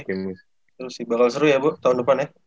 seru sih bakal seru ya bu tahun depan ya